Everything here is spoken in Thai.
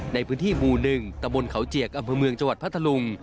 ในพื้นที่หมู่๑ตะบนเขาเจียกอำเภอเมืองจังหวัดพัทธลุง